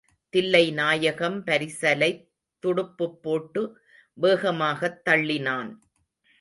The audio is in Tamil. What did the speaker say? தில்லைநாயகம் பரிசலைத் துடுப்புப்போட்டு வேகமாகத் தள்ளினான்.